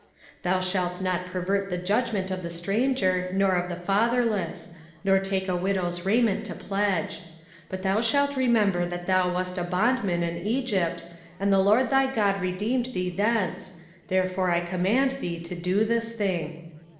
05:024:017 Thou shalt not pervert the judgment of the stranger, nor of the fatherless; nor take a widow's raiment to pledge: 05:024:018 But thou shalt remember that thou wast a bondman in Egypt, and the LORD thy God redeemed thee thence: therefore I command thee to do this thing.